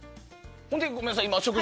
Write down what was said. ごめんなさい。